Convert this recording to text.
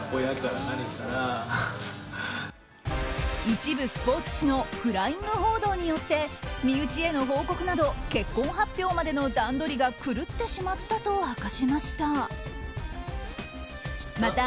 一部スポーツ紙のフライング報道によって身内への報告など結婚発表までの段取りが狂ってしまったと明かしました。